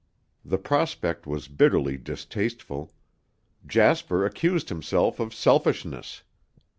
The prospect was bitterly distasteful. Jasper accused himself of selfishness.